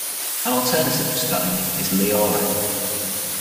An alternative spelling is Liora.